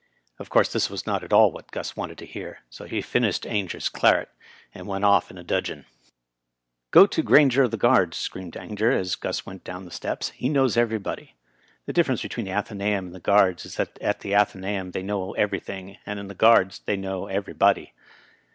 Of course this was not at till what Gus wanted to hear, so he finished Ainger's claret, and went ofi in a dudgeon. Digitized by VjOOQIC BILET, M. P. 167 " Go to Grainger of the Guards," screamed Ainger, as Gus went down the steps ;" he knows everybody." The difference between the Athenaeum and the Guards is, that at the Athenaeum they know everything, and in the Guards they know everybody.